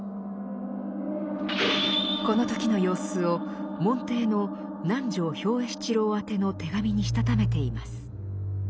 この時の様子を門弟の南条兵衛七郎宛ての手紙にしたためています。